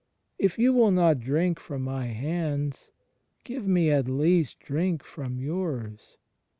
If you will not drink from my hands, give me at least drink from yours.